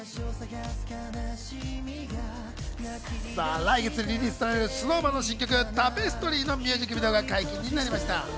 来月リリースされる、ＳｎｏｗＭａｎの新曲『タペストリー』のミュージックビデオが解禁になりました。